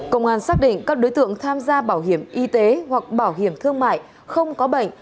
công an xác định các đối tượng tham gia bảo hiểm y tế hoặc bảo hiểm thương mại không có bệnh